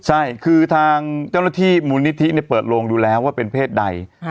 ใช่คือทางเจ้าหน้าที่มูลนิธิเปิดโลงดูแล้วว่าเป็นเพศใด